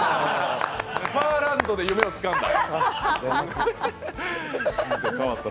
スパーランドで夢をつかんだ。